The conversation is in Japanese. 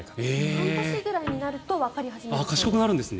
半年ぐらいになるとわかりはじめるそうです。